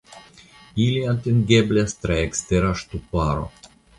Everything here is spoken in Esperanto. Ili atingeblas tra ekstera ŝtuparo.